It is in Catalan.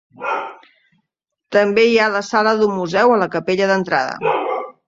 També hi ha la sala d'un museu a la capella d'entrada.